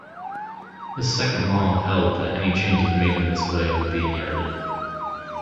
His second law held that any changes made in this way would be inherited.